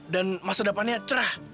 dan masa depannya cerah